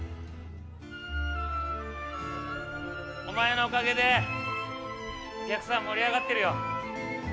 お前のおかげでお客さん盛り上がってるよ。